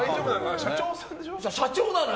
社長なのよ。